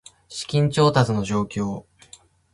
資金調達の状況